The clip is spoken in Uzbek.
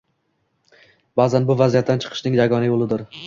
Ba’zan bu vaziyatdan chiqishning yagona yo‘lidir.